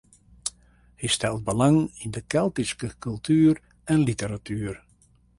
Hy stelt belang yn de Keltyske kultuer en literatuer.